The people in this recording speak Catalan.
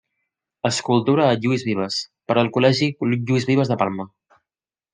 Escultura a Lluís Vives, per al Col·legi Lluís Vives de Palma.